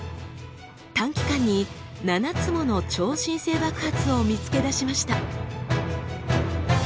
短期間に７つもの超新星爆発を見つけ出しました。